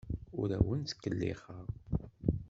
Ur awen-ttkellixeɣ.